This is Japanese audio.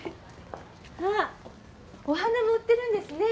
あっお花も売ってるんですね。